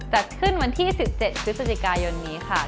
จัดขึ้นวันที่๑๗พฤศจิกายนนี้ค่ะ